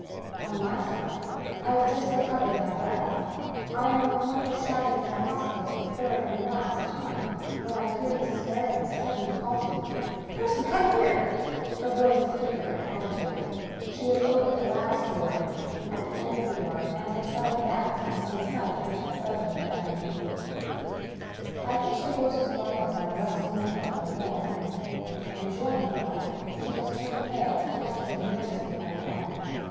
On my side, I have just recovered my breath, I am on the point of shout ing for the hostler for the third and last time, when I hear Mrs. Fairbank suddenly call to me: " Percy ! come here I " Her voice is eager and agitated. She has opened a last door at the end of the yard, and has started back from 217 English Mystery Stories some sight which has suddenly met her view. I hitch the horses' bridles on a rusty nail in the wall near me, and join my wife. She has turned pale, and catches me nervously by the arm.